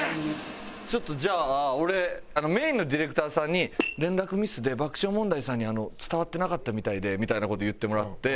ちょっとじゃあ俺メインのディレクターさんに「連絡ミスで爆笑問題さんに伝わってなかったみたいで」みたいな事言ってもらって。